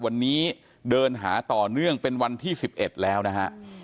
วันนี้เดินหาต่อเนื่องเป็นวันที่๑๑แล้วนะฮะ